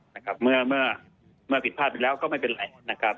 นะครับเมื่อเมื่อผิดพลาดไปแล้วก็ไม่เป็นไรนะครับ